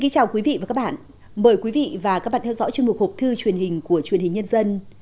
chào mừng quý vị đến với bộ phim học thư truyền hình của truyền hình nhân dân